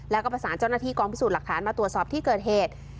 แล้วก็ประสานเจ้าหน้าที่กองพิสูจน์หลักฐานมาตรวจสอบที่เกิดเหตุ